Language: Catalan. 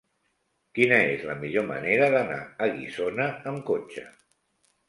Quina és la millor manera d'anar a Guissona amb cotxe?